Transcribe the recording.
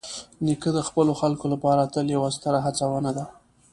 نیکه د خپلو خلکو لپاره تل یوه ستره هڅونه ده.